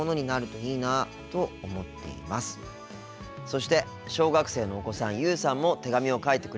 そして小学生のお子さん優羽さんも手紙を書いてくれました。